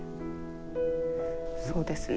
そうですね。